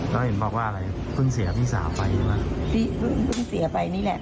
แล้วเห็นบอกว่าเพิ่งเสียพี่สาวไปหรือเปล่า